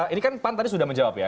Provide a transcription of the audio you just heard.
ini kan pan tadi sudah menjawab ya